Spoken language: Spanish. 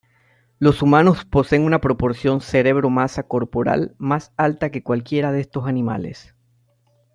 Los humanos poseen una proporción cerebro-masa corporal más alta que cualquiera de estos animales.